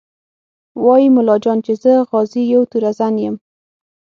وايي ملا جان چې زه غازي یم تورزن یم